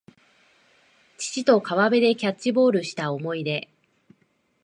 父と河原でキャッチボールした思い出